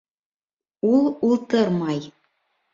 Ул ултырмай